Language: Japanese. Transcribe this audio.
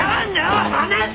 離せ！